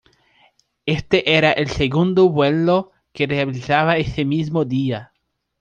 Este era el segundo vuelo que realizaba ese mismo día.